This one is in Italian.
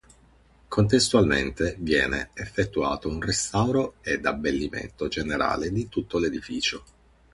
Contestualmente viene effettuato un restauro ed abbellimento generale di tutto l'edificio.